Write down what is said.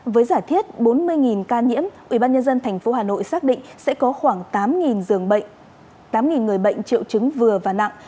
với giả thiết bốn mươi ca nhiễm ubnd tp hà nội xác định sẽ có khoảng tám giường bệnh tám người bệnh triệu chứng vừa và nặng